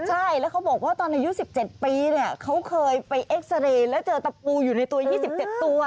ใช่แล้วเขาบอกว่าตอนอายุ๑๗ปีเนี่ยเขาเคยไปเอ็กซาเรย์แล้วเจอตะปูอยู่ในตัว๒๗ตัว